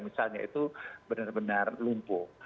misalnya itu benar benar lumpuh